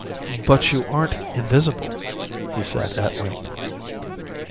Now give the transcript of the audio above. "But you aren't invisible," he said at length.